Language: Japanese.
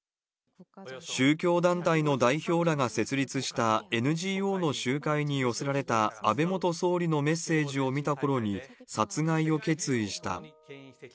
宗教団体の代表らが設立したＮＧＯの集会に寄せられた安倍元総理のメッセージを見たころに、殺害を決意した。